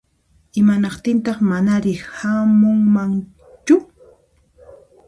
Imanaqtintaq manari hamunmanchu?